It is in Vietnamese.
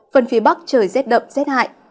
phần phía bắc trời rét đậm rét hại